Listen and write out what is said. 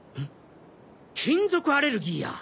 金属アレルギーや！